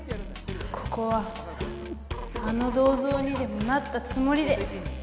ここはあのどうぞうにでもなったつもりで！